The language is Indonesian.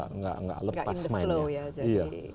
tidak lepas mind nya